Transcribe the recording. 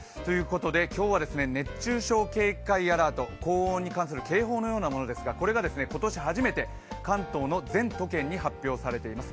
今日は熱中症警戒アラート、高温に関する警報のようなものですがこれが今年初めて関東の全都県に発表されています。